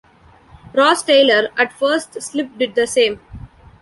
Ross Taylor at first slip did the same.